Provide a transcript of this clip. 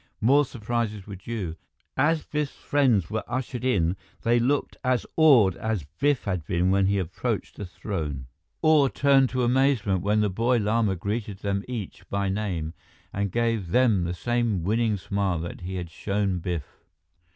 More surprises were due. As Biff's friends were ushered in, they looked as awed as Biff had been when he approached the throne. Awe turned to amazement when the boy Lama greeted them each by name and gave them the same winning smile that he had shown Biff.